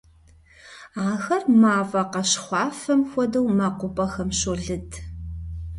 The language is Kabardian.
Ахэр мафӀэ къащхъуафэм хуэдэу мэкъупӀэхэм щолыд.